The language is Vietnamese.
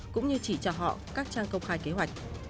cũng như chỉ cho họ các trang công khai kế hoạch